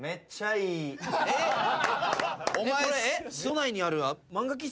都内にある。